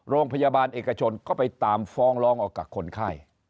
โรงพยาบาลเอกชนก็ไปตามฟ้องร้องออกกับคนไข้